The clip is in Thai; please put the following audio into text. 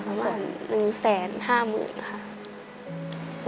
ประมาณ๑แสน๕หมื่นค่ะ